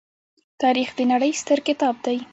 تاریخ د نړۍ ستر کتاب دی.